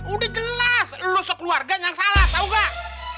udah jelas lo sekeluarga yang salah tahu gak